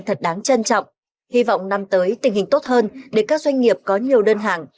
thật đáng trân trọng hy vọng năm tới tình hình tốt hơn để các doanh nghiệp có nhiều đơn hàng